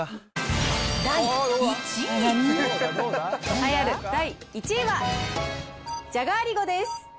栄えある第１位はじゃがアリゴです。